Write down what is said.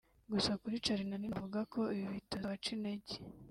Gusa kuri Charly na Nina bavuga ko ibi bitazabaca intege